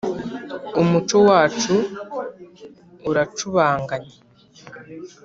Umuco wacu uracubanganye